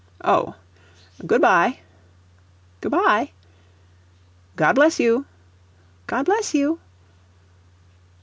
"Oh good by." "Good by." "God bless you." "God bless you."